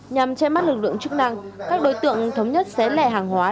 nhằm che mắt lực lượng chức năng các đối tượng thống nhất xé lẻ hàng hóa